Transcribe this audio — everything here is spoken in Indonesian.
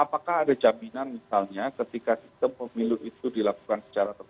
apakah ada jaminan misalnya ketika sistem pemilu itu dilakukan secara tertutup